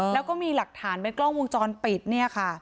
แล้วก็มีหลักฐานเป็นกล้องวงจรปิดเนี่ยค่ะ